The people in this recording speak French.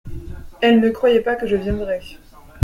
Elle ne croyait pas que je viendrais…